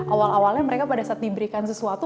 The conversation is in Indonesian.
awal awalnya mereka pada saat diberikan sesuatu